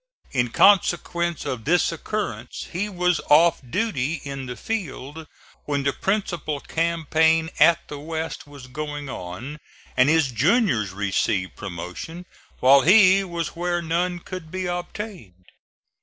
In consequence of this occurrence he was off duty in the field when the principal campaign at the West was going on, and his juniors received promotion while he was where none could be obtained.